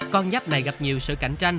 con giáp này gặp nhiều sự cạnh tranh